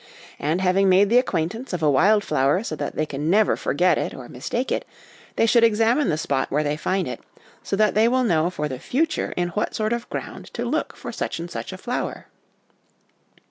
And, having made the acquaintance of a wild flower, so that they can never forget it or mistake it, they should examine the spot where they find it, so that they will know for the future in what sort of ground to look for such and such a flower.